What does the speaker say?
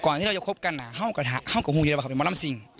ก่อนที่เราจะคบกันเข้ากระทะเข้ากับฮูอยู่แล้วคือหมอลำซิ่ง